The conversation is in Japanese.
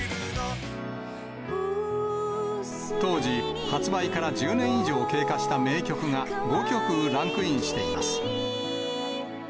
当時、発売から１０年以上経過した名曲が、５曲ランクインしています。